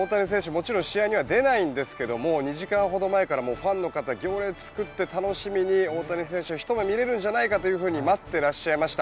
もちろん試合には出ないんですけどもう２時間ほど前からファンの方も行列を作って楽しみに、大谷選手一目見れるんじゃないかというふうに待ってらっしゃいました。